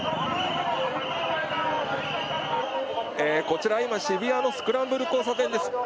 こちらは今、渋谷のスクランブル交差点です。